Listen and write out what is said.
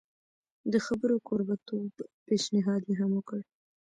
د خبرو کوربه توب پېشنهاد یې هم وکړ.